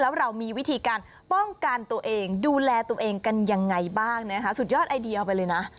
แล้วเรามีวิธีการป้องกันตัวเองดูแลตัวเองกันยังไงบ้างนะคะสุดยอดไอเดียไปเลยนะ